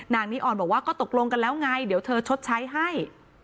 นิออนบอกว่าก็ตกลงกันแล้วไงเดี๋ยวเธอชดใช้ให้